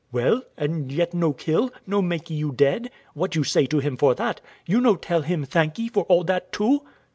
Wife. Well, and yet no kill, no makee you dead: what you say to Him for that? You no tell Him thankee for all that too?